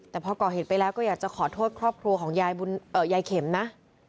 แต่พอก่อเหตุไปแล้วก็อยากจะขอโทษครอบครัวของยายเข็มนะ